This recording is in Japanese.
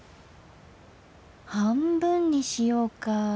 半分にしようか。